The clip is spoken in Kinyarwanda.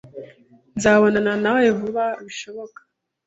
Nzabonana nawe vuba bishoboka.